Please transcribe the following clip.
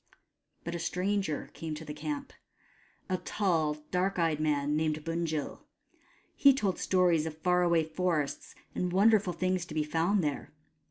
But a stranger came to the camp : a tall dark eyed man named Bunjil. He told stories of far away forests and wonderful things to be found there.